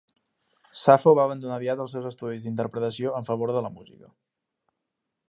Sapho va abandonar aviat els seus estudis d'interpretació en favor de la música.